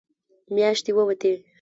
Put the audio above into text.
مياشتې ووتې.